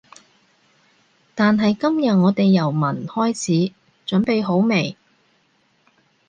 但係今日我哋由聞開始，準備好未？